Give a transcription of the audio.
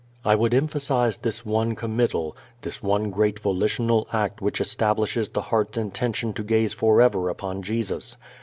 I would emphasize this one committal, this one great volitional act which establishes the heart's intention to gaze forever upon Jesus.